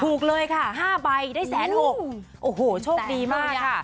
เลยค่ะ๕ใบได้แสนหกโอ้โหโชคดีมากค่ะ